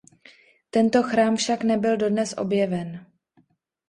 Tento chrám však nebyl dodnes objeven.